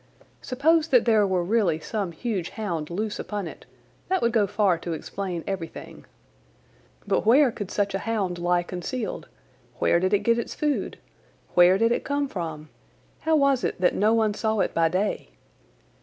Suppose that there were really some huge hound loose upon it; that would go far to explain everything. But where could such a hound lie concealed, where did it get its food, where did it come from, how was it that no one saw it by day?